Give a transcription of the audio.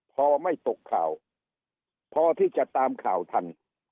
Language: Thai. พอไม่ตกข่าวพอที่จะตามข่าวทัน